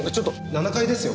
７階ですよ